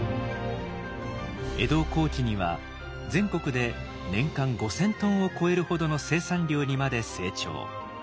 江戸後期には全国で年間５，０００トンをこえるほどの生産量にまで成長。